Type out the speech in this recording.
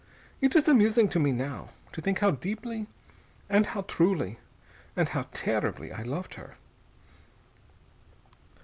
It is amusing to me now, to think how deeply, and how truly, and how terribly I loved her...."